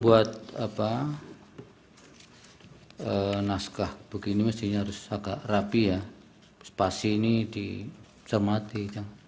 buat apa naskah begini mestinya harus agak rapi ya spasi ini dicermati